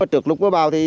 trước lúc bà bào